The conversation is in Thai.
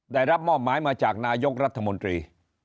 ได้รับมอบหมายมาจากนายกรัฐมนตรี